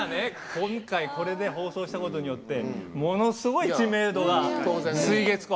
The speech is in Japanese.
今回これで放送したことによってものすごい知名度が水月湖上がったと思います。